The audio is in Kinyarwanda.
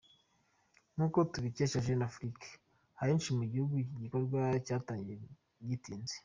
Nk’uko tubikesha Jeune Afrique, ahenshi mu gihugu iki gikorwa cyatangiye gitinze.